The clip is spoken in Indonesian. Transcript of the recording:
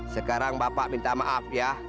sekarang bapak minta maaf ya